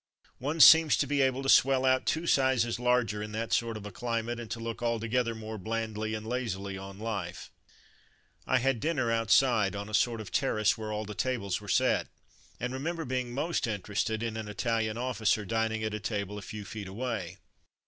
One seems to be able to swell out two sizes larger in that sort of a climate, and to look altogether more blandly and lazily on life. I had dinner outside on a sort of terrace where all the tables were set, and remember Spaghetti 211 being most interested in an Italian officer dining at a table a few feet away.